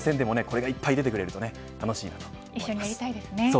本戦でもこれがいっぱい出てくれると楽しみだと思います。